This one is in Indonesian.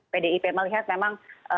pdip melihat memang